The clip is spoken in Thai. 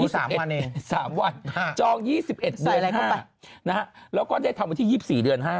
สามวันเองสามวันจอง๒๑เดือน๕นะฮะแล้วก็ได้ทำวันที่๒๔เดือน๕